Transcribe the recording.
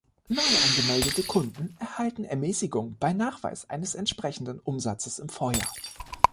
Neu angemeldete Kunden erhalten Ermäßigung bei Nachweis eines entsprechenden Umsatzes im Vorjahr.